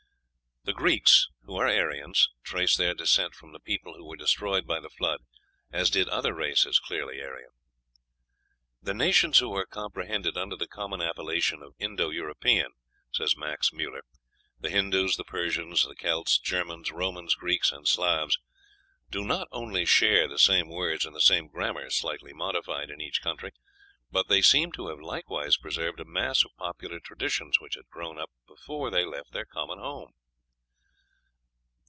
The Greeks, who are Aryans, traced their descent from the people who were destroyed by the Flood, as did other races clearly Aryan. "The nations who are comprehended under the common appellation of Indo European," says Max Müller "the Hindoos, the Persians, the Celts, Germans, Romans, Greeks, and Slavs do not only share the same words and the same grammar, slightly modified in each country, but they seem to have likewise preserved a mass of popular traditions which had grown up before they left their common home."